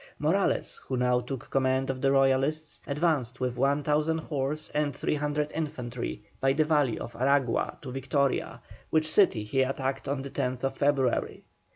Morales, who now took command of the Royalists, advanced with 1,000 horse and 300 infantry by the valley of Aragua to Victoria, which city he attacked on the 10th February.